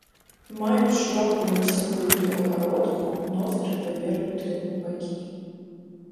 Маюць шырокую насавую перагародку, ноздры павернуты ў бакі.